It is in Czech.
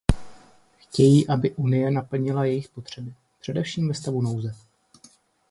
Chtějí, aby Unie naplnila jejich potřeby, především ve stavu nouze.